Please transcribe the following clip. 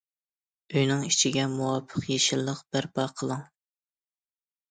ئۆينىڭ ئىچىگە مۇۋاپىق يېشىللىق بەرپا قىلىڭ.